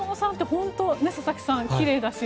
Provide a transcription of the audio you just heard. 本当佐々木さん、きれいだし。